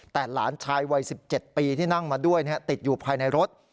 แต่หลานชายวัย๑๗ปีที่นั่งมาด้วยติดอยู่ภายในรถ